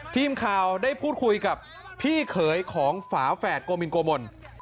ทีมข่าวได้พูดคุยกับพี่เขยของฝาแฝดโกมินโกมน